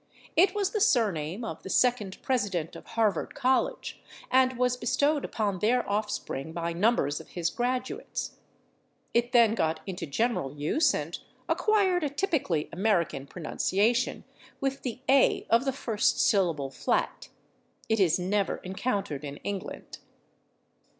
It was the surname of the second president of Harvard College, and was bestowed upon their offspring by numbers of his graduates. It then got into [Pg286] general use and acquired a typically American pronunciation, with the /a/ of the first syllable flat. It is never encountered in England.